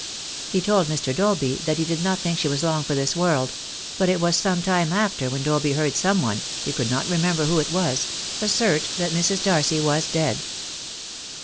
He told Mr. Dolby that he did not think she was long for this world; but it was some time after when Dolby heard some one — he could not remember who it was — assert that Mrs. Darcy was dead.